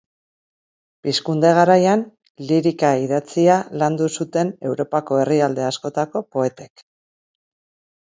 Pizkunde garaian lirika idatzia landu zuten Europako herrialde askotako poetek.